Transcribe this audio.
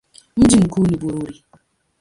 Mji mkuu ni Bururi.